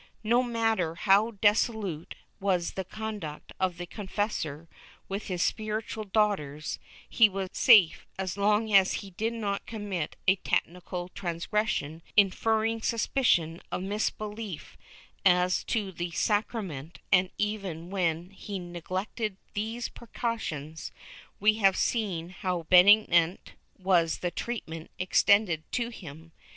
No matter how dissolute was the conduct of the confessor with his spiritual daughters, he was safe so long as he did not commit a technical transgression inferring suspicion of misbelief as to the sacrament, and even when he neglected these precautions we have seen how benignant was the treatment extended to him.